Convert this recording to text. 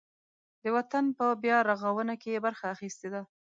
د وطن په بیارغاونه کې یې برخه اخیستې ده.